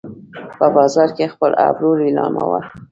په بازار کې خپل ابرو لیلامومه